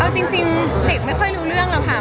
เอาจริงเด็กไม่ค่อยรู้เรื่องหรอกค่ะ